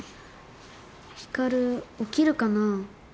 光起きるかな？